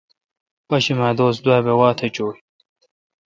پاشمہ دوس دوابہ واتھ چوں ۔